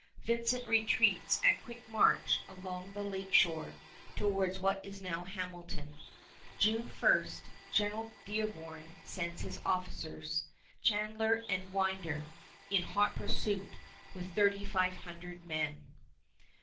Vincent retreats at quick march along the lake shore towards what is now Hamilton. June 1 General Dearborn sends his officers, Chandler and Winder, in hot pursuit with thirty five hundred men.